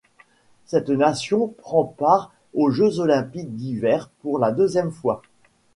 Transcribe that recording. Cette nation prend part aux Jeux olympiques d'hiver pour la deuxième fois.